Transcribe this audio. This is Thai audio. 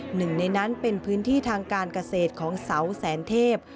หนึ่งในนั้นเป็นพื้นที่ทางการเกษตรของเสาแสนเทพ